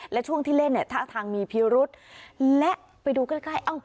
และช่วงที่เล่นเนี่ยท่าทางมีพิรุษและไปดูใกล้ใกล้เอ้า